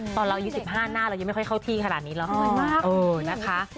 ตอนเราอายุ๑๕หน้าเรายังไม่ค่อยเข้าที่ขนาดนี้เราน้อยมากนะคะ